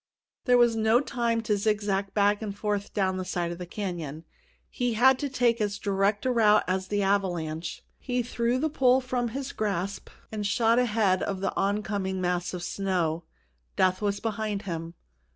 There was no time to zigzag back and forth down the side of the canyon; he had to take as direct a route as the avalanche. He threw his pole from his grasp and shot ahead of the oncoming mass of snow. Death was behind him.